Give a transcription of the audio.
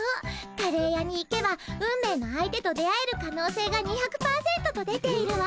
カレー屋に行けば運命の相手と出会えるかのうせいが２００％と出ているわ。